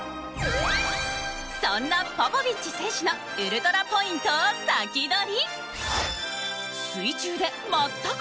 そんなポポビッチ選手のウルトラポイントをサキドリ！